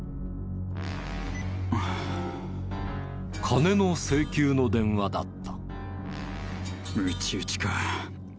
金の請求の電話だった。